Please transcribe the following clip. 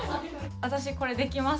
私これできます！